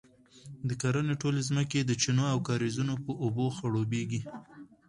د کرنې ټولې ځمکې یې د چینو او کاریزونو په اوبو خړوبیږي،